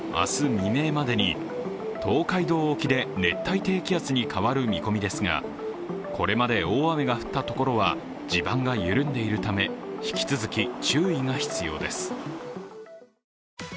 未明までに東海道沖で熱帯低気圧に変わる見込みですがこれまで大雨が降ったところは地盤が緩んでいるため、引き続き注意が必要です。